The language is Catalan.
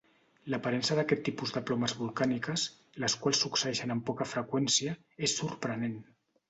L'aparença d'aquest tipus de plomes volcàniques, les quals succeeixen amb poca freqüència, és sorprenent.